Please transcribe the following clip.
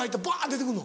出て来るの？